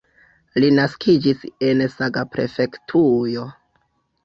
Li naskiĝis en Saga-prefektujo.